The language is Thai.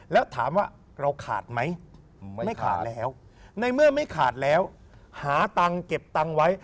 แล้วถามว่าเราขาดไหมไม่ขาดแล้วในเมื่อไม่ขาดแล้วหาตังค์เก็บตังค์ไว้